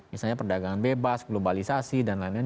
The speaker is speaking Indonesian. misalnya perdagangan bebas globalisasi dan lain lain